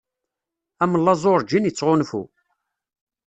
Amellaẓu urǧin ittɣunfu.